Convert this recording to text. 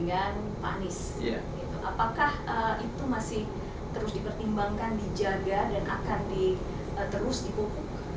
apakah itu masih terus dipertimbangkan dijaga dan akan terus dipukul